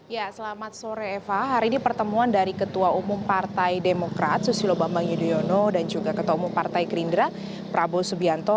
ya selamat sore eva hari ini pertemuan dari ketua umum partai demokrat susilo bambang yudhoyono dan juga ketua umum partai gerindra prabowo subianto